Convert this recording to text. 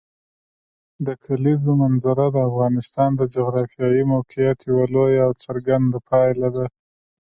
د کلیزو منظره د افغانستان د جغرافیایي موقیعت یوه لویه او څرګنده پایله ده.